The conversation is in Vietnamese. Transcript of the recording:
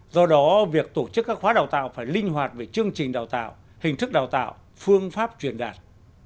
do đó việc tổ chức các khóa đào tạo phải linh hoạt về chương trình đào tạo hình thức đào tạo phương pháp truyền đạt